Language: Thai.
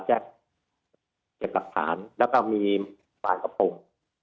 แจ้งเหลือหลักฐานแล้วก็มีฝ่ายกระพง